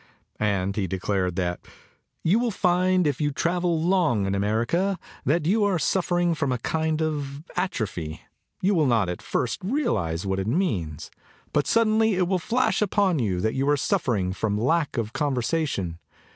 And he declared that "you will find if you travel long in America, that you are suffering from a kind of atrophy. You will not, at first, realise what it means. But suddenly it will flash upon you that you are suffering from lack of conversation.